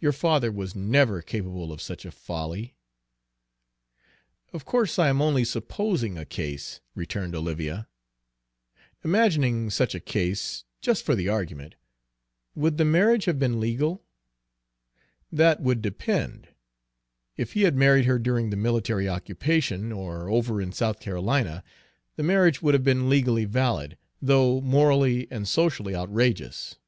Your father was never capable of such a folly." "Of course I am only supposing a case," returned Olivia. "Imagining such a case, just for the argument, would the marriage have been legal?" "That would depend. If he had married her during the military occupation, or over in South Carolina, the marriage would have been legally valid, though morally and socially outrageous."